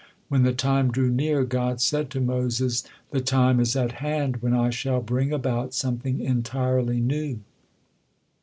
When the time drew near, God said to Moses, "The time is at hand when I shall bring about something entirely new."